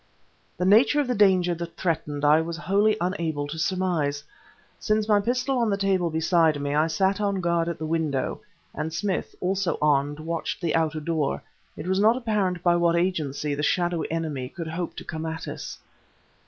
The nature of the danger that threatened I was wholly unable to surmise. Since, my pistol on the table beside me, I sat on guard at the window, and Smith, also armed, watched the outer door, it was not apparent by what agency the shadowy enemy could hope to come at us.